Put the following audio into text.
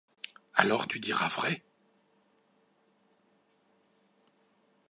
Alors tu diras vrai.